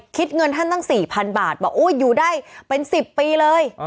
คิดเงินท่านตั้ง๔๐๐๐บาทบอกอยู่ได้เป็น๑๐ปีเลย